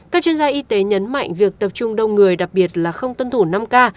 các chuyên gia y tế nhấn mạnh việc tập trung đông người đặc biệt là không tuân thủ năm k